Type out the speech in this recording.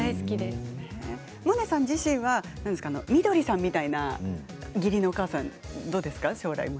萌音さん自身は美都里さんみたいな義理のお母さんはどうですか？